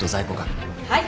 はい。